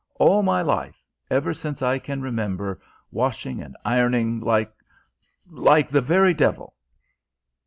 All my life ever since I can remember washing and ironing, like like the very devil!"